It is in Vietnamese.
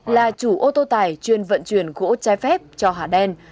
là chủ ô tô tải chuyên vận chuyển gỗ trái phép cho hà đen